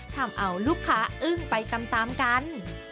ทำเอาลูกค้าอึ้งไปตามกัน